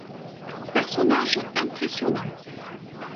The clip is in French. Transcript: Personnage impressionnant.